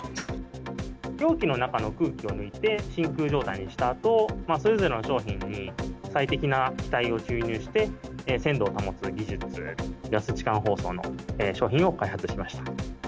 容器の中の空気を抜いて真空状態にしたあと、それぞれの商品に最適な気体を注入して、鮮度を保つ技術、ガス置換包装の商品を開発しました。